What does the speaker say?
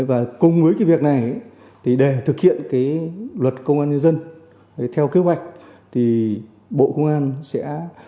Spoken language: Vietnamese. và cùng với cái việc này thì để thực hiện cái luật công an nhân dân theo kế hoạch thì bộ công an sẽ